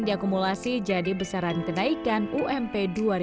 diakumulasi jadi besaran kenaikan ump dua ribu dua puluh